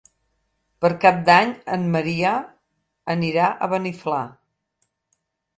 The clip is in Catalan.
Per Cap d'Any en Maria anirà a Beniflà.